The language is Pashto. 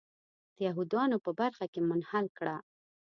د یهودانو په برخه کې منحل کړه.